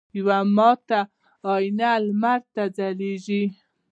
یوه ماته آینه لمر ته ځلیږي